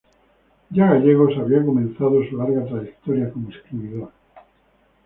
Ya Gallegos había comenzado su larga trayectoria como escritor.